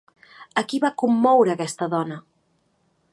A qui va commoure aquesta dona?